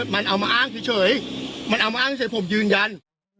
มันเอามาอ้างเฉยมันเอามาอ้างเฉยผมยืนยัน